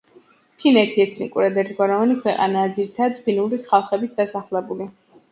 ფინეთი ეთნიკურად ერთგვაროვანი ქვეყანაა, ძირითადად ფინური ხალხებით დასახლებული.